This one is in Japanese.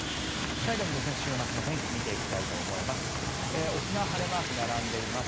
最後に週末の天気見ていきたいと思います。